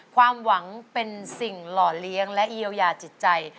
ความหวังเป็นสิ่งหล่อเลี้ยงและเยียวยาจิตใจ